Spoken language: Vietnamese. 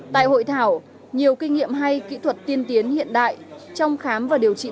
tại hội thảo nhiều kinh nghiệm hay kỹ thuật tiên tiến hiện đại trong khám và điều trị